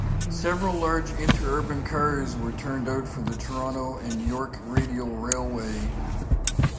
Several large interurban cars were turned out for the Toronto and York Radial Railway.